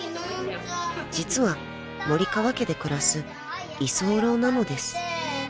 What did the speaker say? ［実は森川家で暮らす居候なのです］